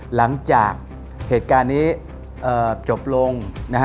หลังจากเหตุการณ์นี้จบลง